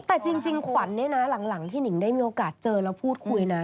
แต่จริงขวัญเนี่ยนะหลังที่หนิงได้มีโอกาสเจอแล้วพูดคุยนะ